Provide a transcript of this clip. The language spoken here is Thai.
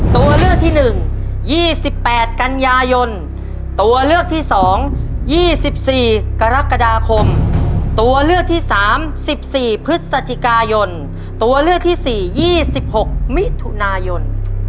ตัวเลือกที่๑๒๘กันยายนตัวเลือกที่๒๒๔กรกฎาคมตัวเลือกที่๓๑๔พฤศจิกายนตัวเลือกที่๔๒๖มิถุนายน